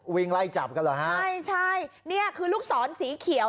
วิ่งไล่จับกันเหรอฮะใช่ใช่นี่คือลูกศรสีเขียว